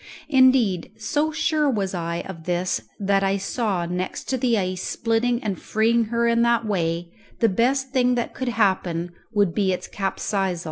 Indeed, so sure was I of this that I saw, next to the ice splitting and freeing her in that way, the best thing that could happen would be its capsizal.